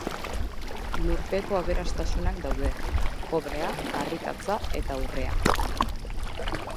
Lurpeko aberastasunak daude: kobrea, harrikatza eta urrea.